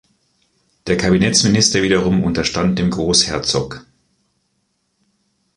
Der Kabinettsminister wiederum unterstand dem Großherzog.